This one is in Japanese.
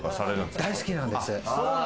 大好きなんです。